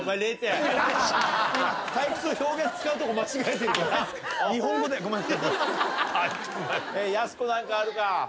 やす子何かあるか？